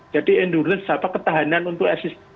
jadi endurance apa ketahanan untuk